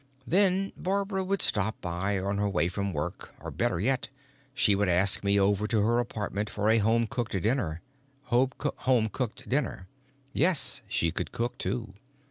Then Barbara would stop by on her way from work, or, better yet, she would ask me over to her apartment for a home cooked dinner. Yes, she could cook too.